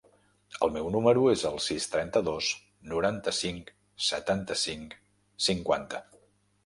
El meu número es el sis, trenta-dos, noranta-cinc, setanta-cinc, cinquanta.